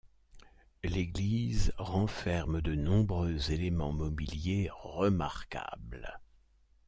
L'église renferme de nombreux éléments mobilier remarquables.